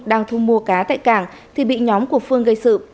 đang thu mua cá tại cảng thì bị nhóm của phương gây sự